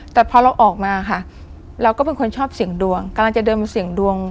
แต่พอเราออกมาค่ะเราก็เป็นคนชอบเสี่ยงดวงกำลังจะเดินมาเสี่ยงดวง